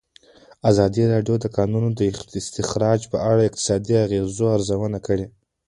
ازادي راډیو د د کانونو استخراج په اړه د اقتصادي اغېزو ارزونه کړې.